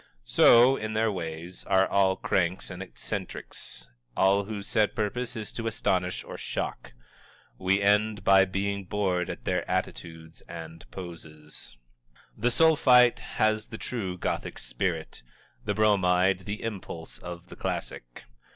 So, in their ways, are all cranks and eccentrics, all whose set purpose is to astonish or to shock. We end by being bored at their attitudes and poses. The Sulphite has the true Gothic spirit; the Bromide, the impulse of the classic.